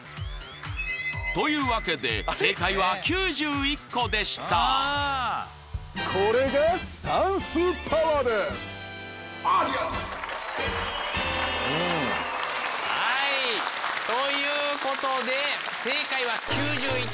というわけで正解は９１個でしたはい！ということで正解は９１。